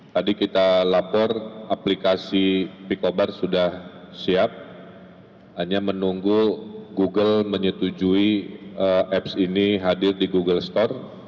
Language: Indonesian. tadi kita lapor aplikasi picobar sudah siap hanya menunggu google menyetujui apps ini hadir di google store